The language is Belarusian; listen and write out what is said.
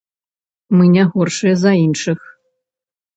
Мы не горшыя за іншых.